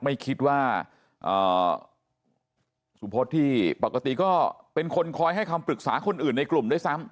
ไม่คิดว่าสุพศที่ปกติก็เป็นคนคอยให้คำปรึกษาคนอื่นในกลุ่มด้วยซ้ำ